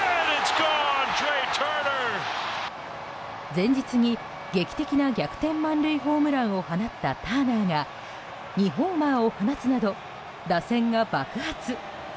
前日に劇的な逆転満塁ホームランを放ったターナーが２ホーマーを放つなど打線が爆発。